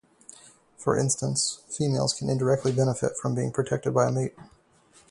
For instance, females can indirectly benefit from being protected by a mate.